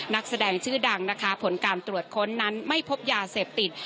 นักแสดงชื่อดังนะคะผลการตรวจค้นนั้นไม่พบยาเสพติด